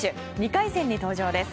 ２回戦に登場です。